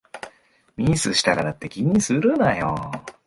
ミスしたからって気にするなよ